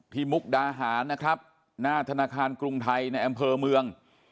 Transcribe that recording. มุกดาหารนะครับหน้าธนาคารกรุงไทยในอำเภอเมือง